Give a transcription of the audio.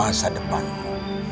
dan masa depanmu